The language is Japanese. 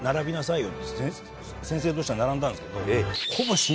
先生同士が並んだんですけど。